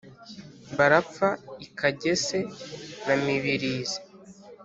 Barapfa i Kagese na Mibirizi